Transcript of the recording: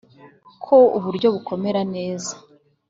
ko uburo bukomera neza